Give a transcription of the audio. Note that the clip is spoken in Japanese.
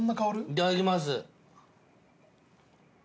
いただきます。